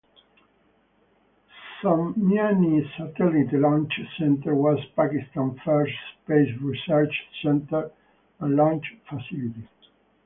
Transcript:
Sonmiani Satellite Launch Center was Pakistan's first space research center and launch facility.